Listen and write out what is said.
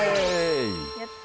やった！